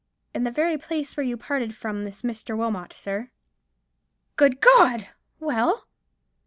"In the very place where you parted from this Mr. Wilmot, sir." "Good God! Well?"